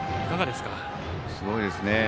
すごいですね。